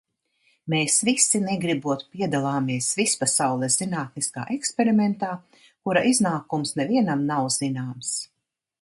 Mēs visi negribot piedalāmies vispasaules zinātniskā eksperimentā, kura iznākums nevienam nav zināms.